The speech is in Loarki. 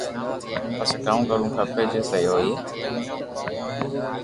مپسي ڪاو ڪروُ کپي جي سھي ھوئي